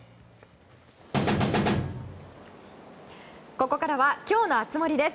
ここからは今日の熱盛です。